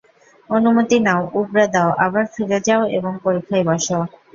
অনুমতি নাও, উগড়ে দাও, আবার ফিরে যাও এবং পরীক্ষায় বসো।